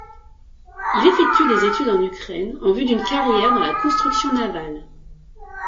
Il effectue des études en Ukraine en vue d'une carrière dans la construction navale.